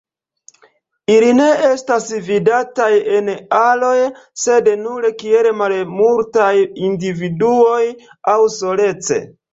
Ili ne estas vidataj en aroj, sed nur kiel malmultaj individuoj aŭ solece.